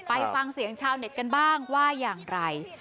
ไปฟังเสียงชาวเน็ตกันบ้างว่าอย่างไร